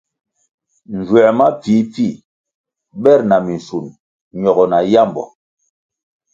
Nzuer ma pfihpfih ber na minschun ñogo na yambo.